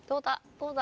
どうだ？